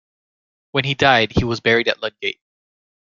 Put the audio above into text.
When he died, he was buried at Ludgate.